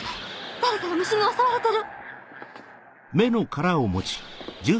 誰かが蟲に襲われてる！